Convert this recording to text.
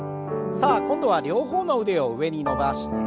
さあ今度は両方の腕を上に伸ばして。